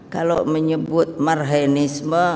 kalau menyebut marhainisme